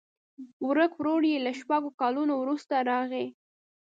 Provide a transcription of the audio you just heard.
ورک ورور یې له شپږو کلونو وروسته راغی.